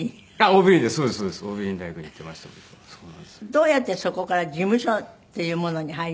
どうやってそこから事務所っていうものに入りました？